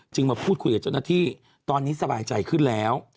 มาพูดคุยกับเจ้าหน้าที่ตอนนี้สบายใจขึ้นแล้ว